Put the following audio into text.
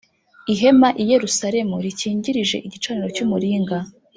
ihema i Yerusalemu rikingirije Igicaniro cy umuringa